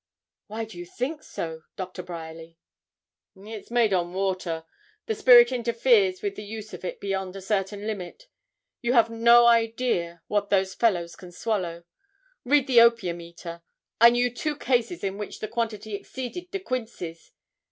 'Why do you think so, Doctor Bryerly?' 'It's made on water: the spirit interferes with the use of it beyond a certain limit. You have no idea what those fellows can swallow. Read the "Opium Eater." I knew two cases in which the quantity exceeded De Quincy's.